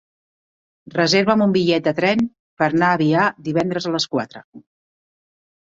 Reserva'm un bitllet de tren per anar a Avià divendres a les quatre.